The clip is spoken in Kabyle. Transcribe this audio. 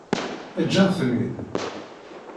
Eǧǧ-aɣ-ten-id